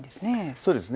そうですね。